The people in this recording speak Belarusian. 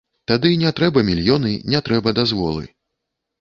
Тады не трэба мільёны, не трэба дазволы.